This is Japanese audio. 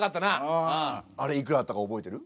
うん！あれいくらだったか覚えてる？